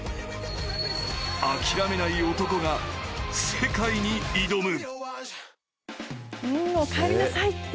諦めない男が世界に挑む。